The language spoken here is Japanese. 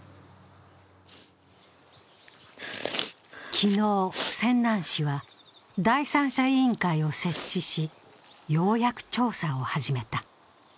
昨日、泉南市は第三者委員会を設置し、ようやく調査を始めた。